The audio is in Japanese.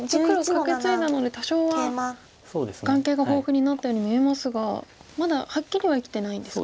カケツイだので多少は眼形が豊富になったように見えますがまだはっきりは生きてないんですか。